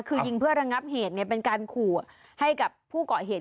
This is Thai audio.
คือยิงเพื่อระงับเหตุเป็นการขู่ให้กับผู้เกาะเหตุ